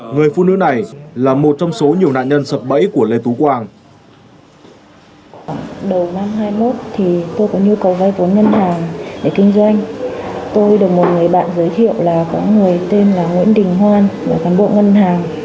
người phụ nữ này là một trong số nhiều nạn nhân sập bẫy của lê tú quang